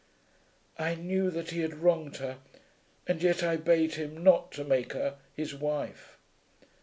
"I knew that he had wronged her, and yet I bade him not to make her his wife."